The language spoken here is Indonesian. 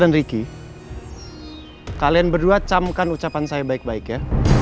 dan ricky kalian berdua camkan ucapan saya baik baik ya